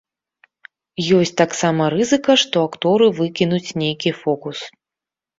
Ёсць таксама рызыка, што акторы выкінуць нейкі фокус.